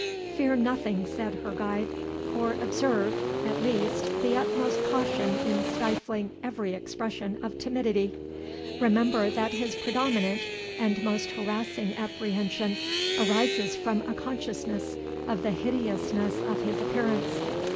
"Fear nothing," said her guide; "or observe, at least, the utmost caution in stifling every expression of timidity. Remember that his predominant and most harassing apprehension arises from a consciousness of the hideousness of his appearance.